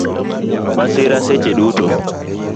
Masira seche duto